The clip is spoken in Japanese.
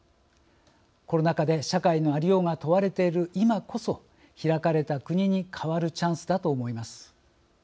コロナ禍で社会の在りようが問われている今こそ開かれた国に変わるチャンスだと思います。